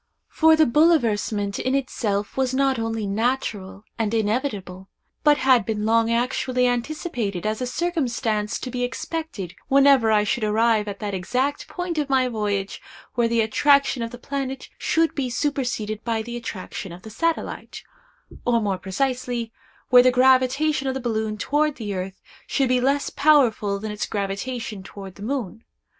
For the bouleversement in itself was not only natural and inevitable, but had been long actually anticipated as a circumstance to be expected whenever I should arrive at that exact point of my voyage where the attraction of the planet should be superseded by the attraction of the satellite—or, more precisely, where the gravitation of the balloon toward the earth should be less powerful than its gravitation toward the moon.